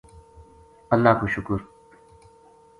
اللہ کو شکر